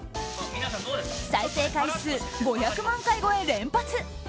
再生回数５００万回超え連発。